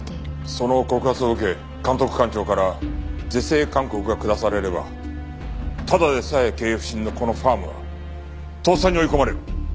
その告発を受け監督官庁から是正勧告が下されればただでさえ経営不振のこのファームは倒産に追い込まれる。